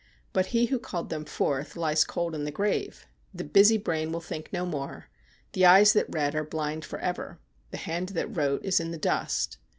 But he who called them forth lies cold in the grave. The busy brain will think no more ; the eyes that read are blind for ever ; the hand that wrote is in the dust.